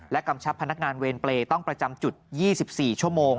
กำชับพนักงานเวรเปรย์ต้องประจำจุด๒๔ชั่วโมง